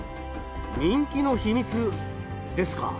人気の秘密ですか？